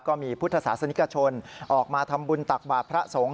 ก็มีพุทธศาสนิกชนออกมาทำบุญตักบาทพระสงฆ์